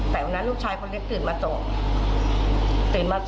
แต่วันนั้นลูกชายคนเล็กตื่นมาส่งตื่นมา